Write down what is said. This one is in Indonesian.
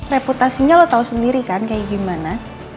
reputasinya lo tau sendiri kan kayak gimana